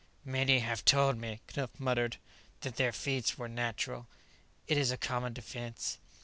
"Many have told me," Knupf muttered, "that their feats were natural. It is a common defense."